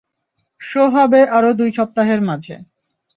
Show হবে আর দুই সপ্তাহের মাঝে।